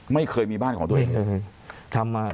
ไม่เคยมีบ้านของตัวเอง